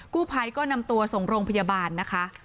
กู้ภัยก็นำตัวส่งโรงพยาบาลนะคะ